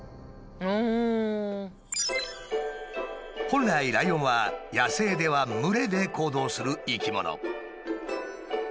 本来ライオンは野生では群れで行動する生き物。